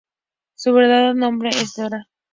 Su verdadero nombre es Dra.